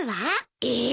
えっ！？